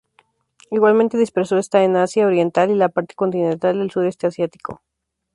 Igualmente disperso está en Asia Oriental y la parte continental del Sureste asiático.